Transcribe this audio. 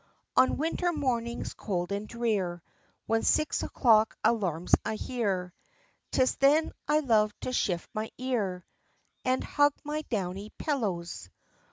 On winter mornings cold and drear, When six o'clock alarms I hear, 'Tis then I love to shift my ear, And hug my downy pillows.